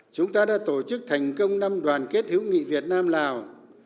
chúng ta đã tổ chức thành công năm đoàn kết hữu nghị việt nam lào